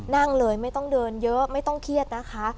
นั่งเลยไม่ต้องเดินเยอะไม่ต้องเครียดนะคะ